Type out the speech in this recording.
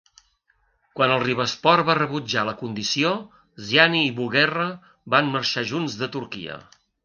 Quan el Rivaspor va rebutjar la condició, Ziani i Bougherra van marxar junts de Turquia.